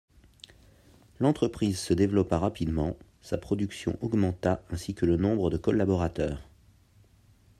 L'entreprise se développa rapidement, sa production augmenta ainsi que le nombre de collaborateurs.